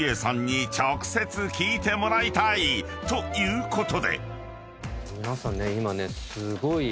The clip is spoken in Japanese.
ということで］